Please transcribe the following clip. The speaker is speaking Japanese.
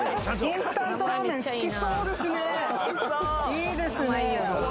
いいですね